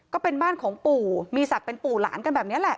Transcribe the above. ก็เป็นบ้านของปู่มีศักดิ์เป็นปู่หลานกันแบบนี้แหละ